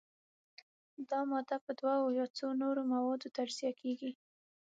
دا ماده په دوو یا څو نورو موادو تجزیه کیږي.